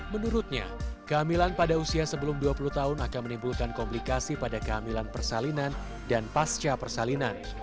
menurutnya kehamilan pada usia sebelum dua puluh tahun akan menimbulkan komplikasi pada kehamilan persalinan dan pasca persalinan